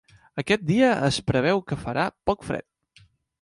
Aquest dia es preveu que farà poc fred.